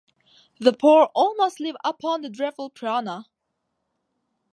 The poor almost live upon the dreadful piranha.